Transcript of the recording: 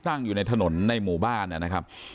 ท่านดูเหตุการณ์ก่อนนะครับ